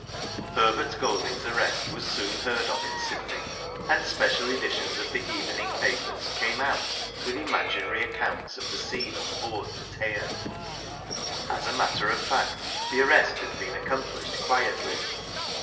Herbert Golding*s arrest was soon heard of in Sydney, and special editions of the evening papers came out with imaginary accounts of the scene on board the Teian. As a matter of fact, the arrest had been accom plished quietly.